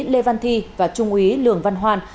lê văn thi và trung úy lường văn hoàn